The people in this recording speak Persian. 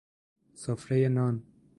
سفره نان